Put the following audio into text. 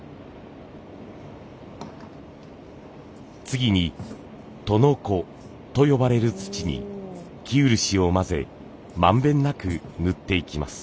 次に砥の粉と呼ばれる土に生漆を混ぜ満遍なく塗っていきます。